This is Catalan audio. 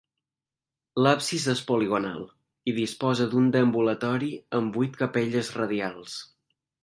L'absis és poligonal i disposa d'un deambulatori amb vuit capelles radials.